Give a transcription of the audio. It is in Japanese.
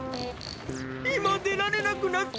いまでられなくなった。